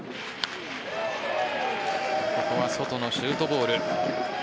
ここは外のシュートボール。